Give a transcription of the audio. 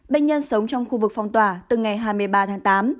bệnh nhân sống trong khu vực phong tỏa từ ngày hai mươi ba tháng tám